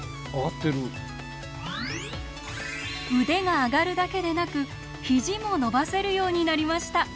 腕が上がるだけでなく肘も伸ばせるようになりました。